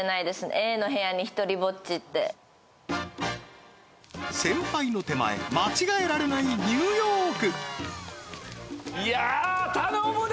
Ａの部屋に独りぼっちって先輩の手前間違えられないニューヨークいやー頼むで！